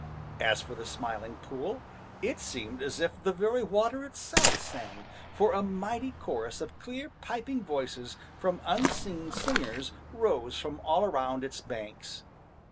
As for the Smiling Pool, it seemed as if the very water itself sang, for a mighty chorus of clear piping voices from unseen singers rose from all around its banks.